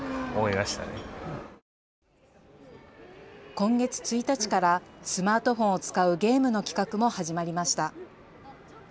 今月１日から、スマートフォンを使うゲームの企画も始まりました。